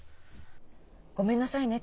ごめんなさいね